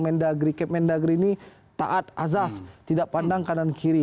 mendagri kemendagri ini taat azas tidak pandang kanan kiri